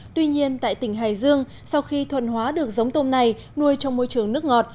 tuy nhiên tại tỉnh hải dương sau khi thuần hóa được giống tôm này nuôi trong môi trường nước ngọt